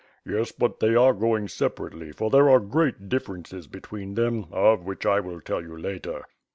"Yes, but they are going separately; for there are great differences between them, of which I will tell you later."